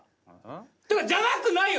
っていうかじゃなくないよ